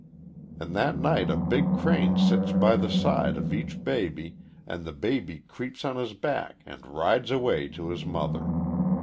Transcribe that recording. And that night a big crane sits by the side of each baby and the baby creeps on his back and rides away to his mother.